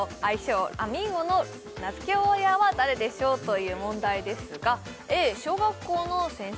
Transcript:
「アミーゴ」の名付け親は誰でしょう？という問題ですがＡ小学校の先生